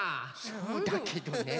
そうだけどね。